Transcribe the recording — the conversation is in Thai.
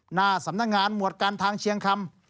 หน้าสำนักงานหมวดการทางเชียงคำ